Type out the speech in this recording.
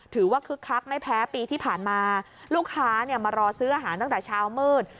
คึกคักไม่แพ้ปีที่ผ่านมาลูกค้าเนี่ยมารอซื้ออาหารตั้งแต่เช้ามืด